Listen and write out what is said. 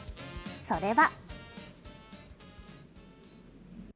それは。